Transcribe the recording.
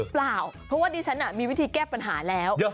เปล่าเพราะว่าดิฉันมีวิธีแก้ปัญหาแล้ว